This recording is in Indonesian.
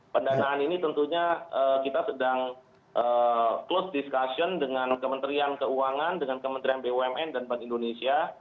pendanaan ini tentunya kita sedang close discussion dengan kementerian keuangan dengan kementerian bumn dan bank indonesia